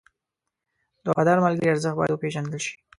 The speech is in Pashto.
د وفادار ملګري ارزښت باید وپېژندل شي.